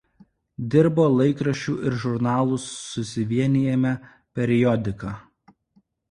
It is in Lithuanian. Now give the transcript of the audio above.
Dirbo Laikraščių ir žurnalų susivienijime „Periodika“.